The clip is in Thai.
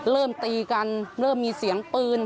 เริ่มตีกันเริ่มมีเสียงปืน